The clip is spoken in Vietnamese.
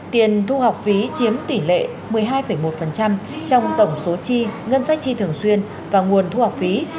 tiền thu học phí chiếm tỷ lệ một mươi hai một trong tổng số chi ngân sách chi thường xuyên và nguồn thu học phí